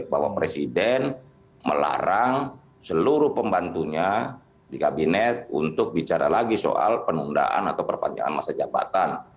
bahwa presiden melarang seluruh pembantunya di kabinet untuk bicara lagi soal penundaan atau perpanjangan masa jabatan